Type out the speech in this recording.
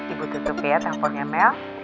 ibu tutup ya telponnya mel